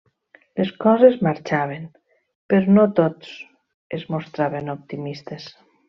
Les coses marxaven però no tots es mostraven optimistes.